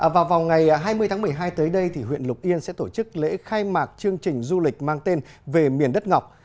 và vào ngày hai mươi tháng một mươi hai tới đây thì huyện lục yên sẽ tổ chức lễ khai mạc chương trình du lịch mang tên về miền đất ngọc